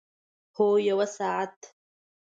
هو، یوه ساعت